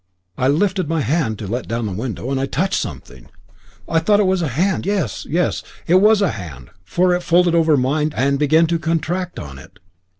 I lifted my hand to let down the window, and I touched something: I thought it was a hand yes, yes! it was a hand, for it folded over mine and began to contract on it.